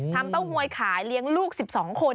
เต้าหวยขายเลี้ยงลูก๑๒คน